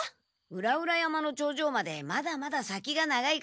裏々山の頂上までまだまだ先が長いから。